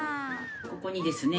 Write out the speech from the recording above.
ここにですね